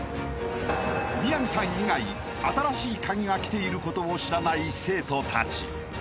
［宮城さん以外『新しいカギ』が来ていることを知らない生徒たち］